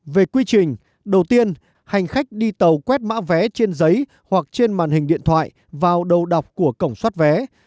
về quy trình đầu tiên hành khách đi tàu quét mã vé trên giấy hoặc trên màn hình điện thoại vào đầu đọc của cổng xoát vé